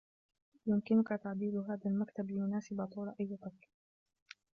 يمكنك تعديل هذا المكتب ليناسب طول أي طفل.